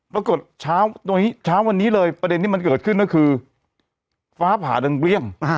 ปรากฏเช้าวันนี้เลยประเด็นที่มันเกิดขึ้นก็คือฟ้าผ่าดังเปรี้ยง